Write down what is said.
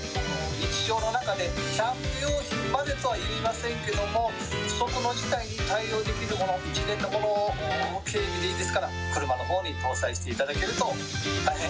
日常の中で、キャンプ用品までとはいいませんけれども、不測の事態に対応できるもの、一連のものを軽微でいいですから、車のほうに搭載してい